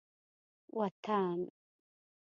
وطن